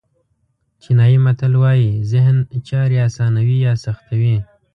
چینایي متل وایي ذهن چارې آسانوي یا سختوي.